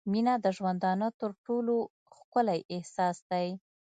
• مینه د ژوندانه تر ټولو ښکلی احساس دی.